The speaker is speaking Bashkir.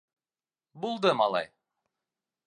— Булды, малай.